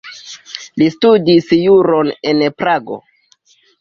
Li studis juron en Prago.